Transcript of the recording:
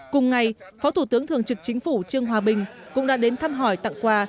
cùng ngày phó thủ tướng thường trực chính phủ trương hòa bình cũng đã đến thăm hỏi tặng quà